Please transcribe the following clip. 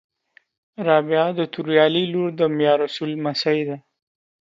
رابعه د توریالي لور د میارسول لمسۍ ده